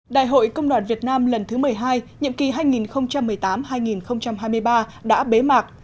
đại hội công đoàn việt nam lần thứ một mươi hai nhiệm kỳ hai nghìn một mươi tám hai nghìn hai mươi ba đã bế mạc